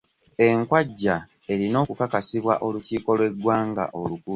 Enkwajja erina okukakasibwa olukiiko lw'eggwanga olukulu.